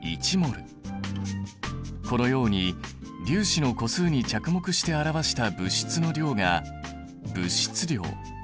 このように粒子の個数に着目して表した物質の量が物質量。